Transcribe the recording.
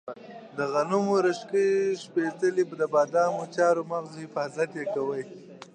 د غنمو، رشقې، شپتلې، بادامو او چارمغزو حفاظت یې کاوه.